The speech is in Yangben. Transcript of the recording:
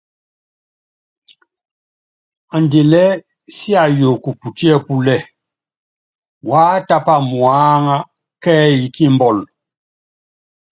Andilɛ siayukɔ putíɛ́púlɛ, wá tápa muáŋá kɛ́yí kímbɔl.